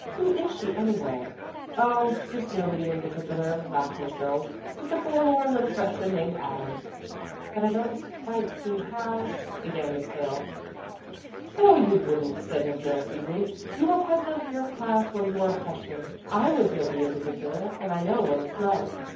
"Who is she, anyway?" "Oh, just nobody in particular," laughed Miss Mills, "just a forlorn little freshman named Adams." "But I don't quite see how " began Miss Hale. "Oh, you wouldn't," said Miss Mills easily. "You were president of your class when you were a freshman. I was nobody in particular, and I know what it's like."